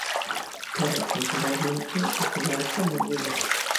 Pero, culturalmente, a cidade está moi viva.